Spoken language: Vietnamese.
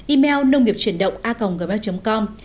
email nông nghiệp truyền động a gmail com